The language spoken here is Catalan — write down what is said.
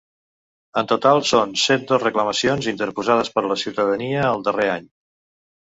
En total, són cent dos reclamacions interposades per la ciutadania el darrer any.